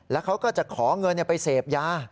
แล้วเขาก็จะขอเงินไปเสพยา